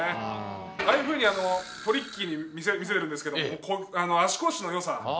ああいうふうにトリッキーに見せるんですけども足腰のよさ